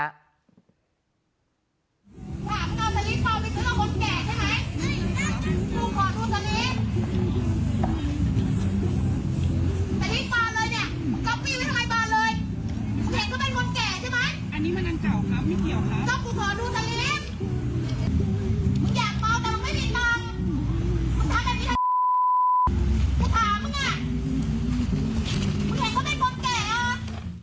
เจ้าของขนดูสลิปมึงอยากต่อตรงไม่มีตรง